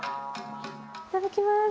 いただきます！